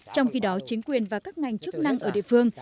trong khi đó chính quyền và các ngành chức năng ở địa phương